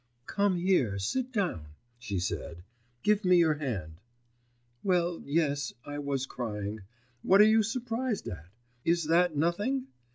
'Come here, sit down,' she said, 'give me your hand. Well, yes, I was crying ... what are you surprised at? Is that nothing?